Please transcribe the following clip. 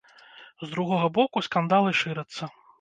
З другога боку, скандалы шырацца.